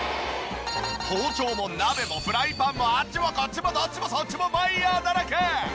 包丁も鍋もフライパンもあっちもこっちもどっちもそっちもマイヤーだらけ！